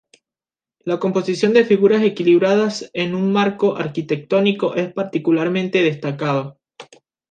La composición de figuras equilibradas en un marco arquitectónico es particularmente destacado.